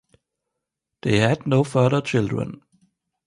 They had no further children.